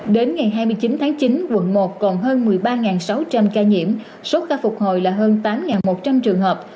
đến ngày hai mươi chín tháng chín quận một còn hơn một mươi ba sáu trăm linh ca nhiễm số ca phục hồi là hơn tám một trăm linh trường hợp